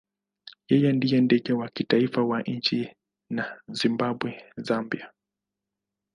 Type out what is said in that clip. Yeye ndiye ndege wa kitaifa wa nchi za Zimbabwe na Zambia.